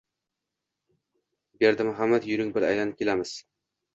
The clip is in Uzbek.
– Berdirahmat, yuring bir aylanib kelamiz.